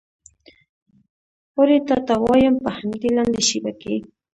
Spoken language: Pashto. اورې تا ته وایم په همدې لنډه شېبه کې.